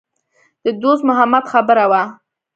د دوست محمد خبره وه.